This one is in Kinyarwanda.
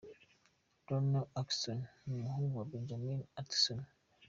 Rowan Atkinson n'umuhungu we Benjamin Atkinson.